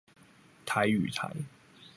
台語台